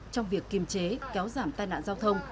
trong việc kiềm chế kéo giảm tai nạn giao thông